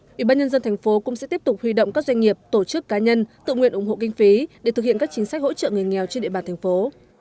ủy ban nhân dân thành phố cũng sẽ tiếp tục huy động các doanh nghiệp tổ chức cá nhân tự nguyện ủng hộ kinh phí để thực hiện các chính sách hỗ trợ người nghèo trên địa bàn thành phố